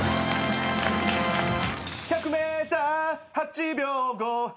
「１００ｍ８秒５８」